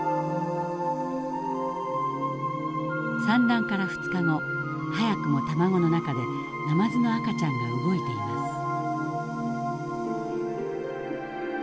産卵から２日後早くも卵の中でナマズの赤ちゃんが動いています。